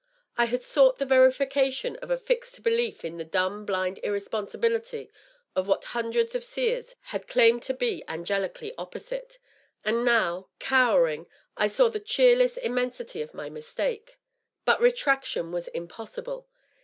I had sought the verification of a fixed belief in the dumb, blind irresponsibility of what hundreds of seers had claimed to be angelically opposite ; and now, cowering, I saw the cheerless immensity of my mistake. But retraction was impossible.